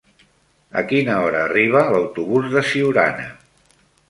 A quina hora arriba l'autobús de Siurana?